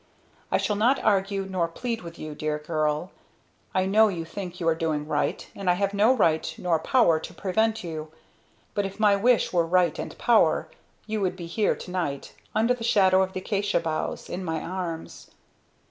"I shall not argue nor plead with you, Dear Girl; I know you think you are doing right; and I have no right, nor power, to prevent you. But if my wish were right and power, you would be here to night, under the shadow of the acacia boughs in my arms!